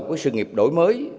của sự nghiệp đổi mới